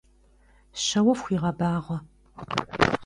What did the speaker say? Şeue fxuiğebağue!